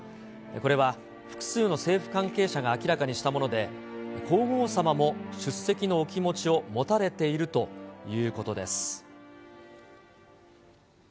これは複数の政府関係者が明らかにしたもので、皇后さまも出席のお気持ちを持たれているということです。